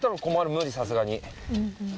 無理さすがに。